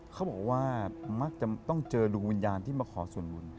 เขาบอกว่ามักจะต้องเจอดวงวิญญาณที่มาขอส่วนบุญ